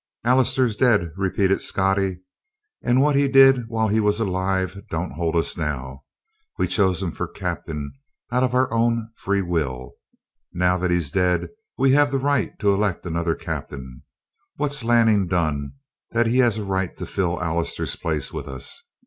"Allister's dead," repeated Scottie, "and what he did while he was alive don't hold us now. We chose him for captain out of our own free will. Now that he's dead we have the right to elect another captain. What's Lanning done that he has a right to fill Allister's place with us?